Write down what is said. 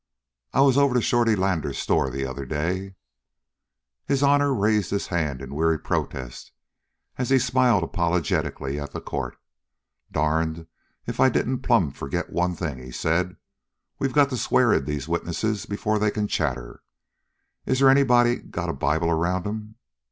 "I was over to Shorty Lander's store the other day " His honor raised his hand in weary protest, as he smiled apologetically at the court. "Darned if I didn't plumb forget one thing," he said. "We got to swear in these witnesses before they can chatter. Is there anybody got a Bible around 'em?